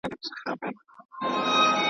له تارونو جوړوي درته تورونه .